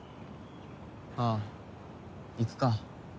ああ行くか。